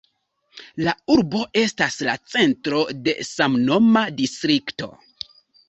La urbo estas la centro de samnoma distrikto.